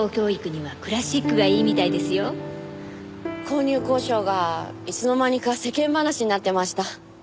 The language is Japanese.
購入交渉がいつの間にか世間話になってました。